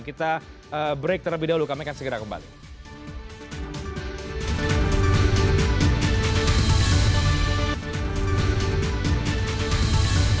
kita break terlebih dahulu kami akan segera kembali